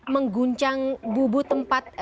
mengguncang bubu tempat